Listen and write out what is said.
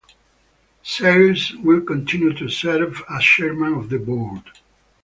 Sales will continue to serve as chairman of the Board.